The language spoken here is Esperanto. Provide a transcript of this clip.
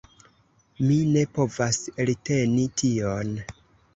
Mi ne povas elteni tion.